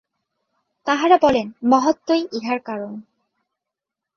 তাঁহারা বলেন, মহত্তত্ত্বই ইহার কারণ।